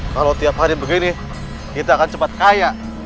kalau tiap hari begini kita akan cepat kaya